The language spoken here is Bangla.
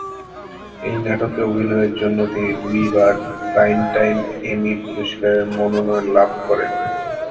এই নাটকে অভিনয়ের জন্য তিনি দুইবার প্রাইমটাইম এমি পুরস্কারের মনোনয়ন লাভ করেন।